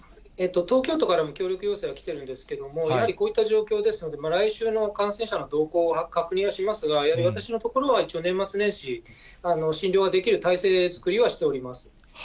東京都からも協力要請は来てるんですけれども、やはりこういった状況ですので、来週の感染者の動向の確認はしますが、やはり私のところは、一応、年末年始、診療ができる体制作りはしております。